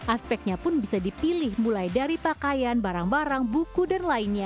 aspeknya pun bisa dipilih mulai dari pakaian barang barang buku dan lainnya